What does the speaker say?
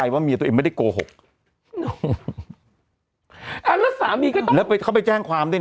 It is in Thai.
ว่าเมียตัวเองไม่ได้โกหกอ่าแล้วสามีก็ถามแล้วไปเขาไปแจ้งความด้วยนะ